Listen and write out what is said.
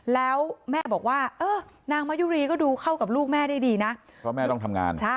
แล้วแม่บอกว่านางมะยุรีก็ดูเข้ากับลูกแม่ได้ดีนะ